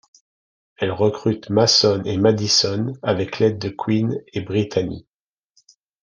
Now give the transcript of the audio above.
Elle recrute Mason et Madison avec l'aide de Quinn et Brittany.